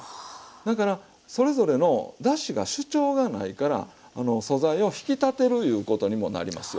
だからそれぞれのだしが主張がないから素材を引き立てるいうことにもなりますよ。